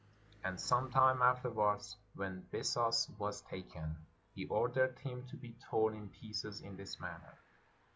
And some time afterwards, when Bessus was taken, he ordered him to be torn in pieces in this manner.